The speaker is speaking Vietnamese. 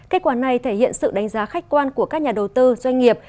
kết quả này thể hiện sự đánh giá khách quan của các nhà đầu tư doanh nghiệp